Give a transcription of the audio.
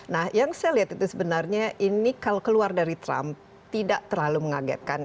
nah yang saya lihat itu sebenarnya ini kalau keluar dari trump tidak terlalu mengagetkan